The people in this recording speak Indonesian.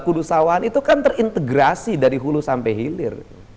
kudu sawan itu kan terintegrasi dari hulu sampai hilir